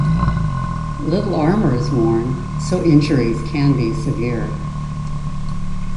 Little armor is worn, so injuries can be severe.